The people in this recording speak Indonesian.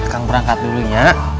kakang perangkat dulunya